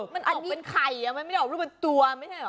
มันอาจจะเป็นไข่มันไม่ได้ออกรูปเป็นตัวไม่ใช่เหรอ